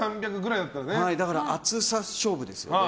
だから厚さ勝負ですね。